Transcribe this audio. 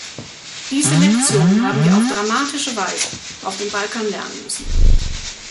Diese Lektion haben wir auf dramatische Weise auf dem Balkan lernen müssen.